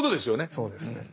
そうですね。